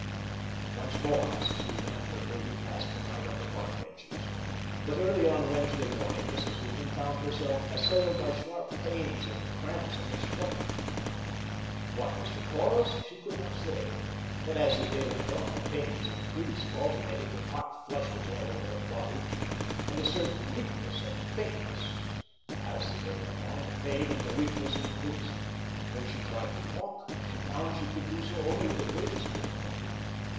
Once more, Mrs. Hooven and her baby passed the night on the park benches. But early on Wednesday morning, Mrs. Hooven found herself assailed by sharp pains and cramps in her stomach. What was the cause she could not say; but as the day went on, the pains increased, alternating with hot flushes over all her body, and a certain weakness and faintness. As the day went on, the pain and the weakness increased. When she tried to walk, she found she could do so only with the greatest difficulty.